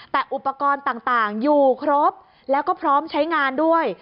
แต่อุปกรณ์ต่างอยู่ครบแล้วก็พร้อมใช้งานด้วย